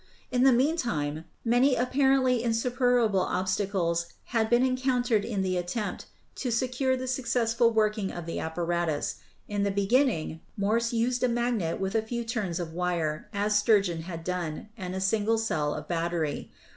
In the meantime many apparently insuperable obstacles had been encountered in the attempt to secure the suc cessful working of the apparatus. In the beginnings Morse used a magnet with a few turns of wire, as Stur geon had done, and a single cell of battery.